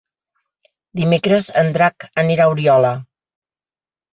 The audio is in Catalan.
Dimecres en Drac anirà a Oriola.